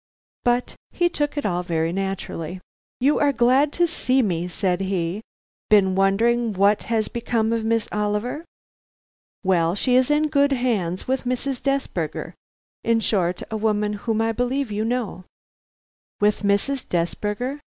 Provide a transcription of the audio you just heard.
But he took it all very naturally. "You are glad to see me," said he; "been wondering what has become of Miss Oliver. Well, she is in good hands; with Mrs. Desberger, in short; a woman whom I believe you know." "With Mrs. Desberger?"